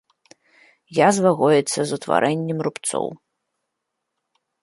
Язва гоіцца з утварэннем рубцоў.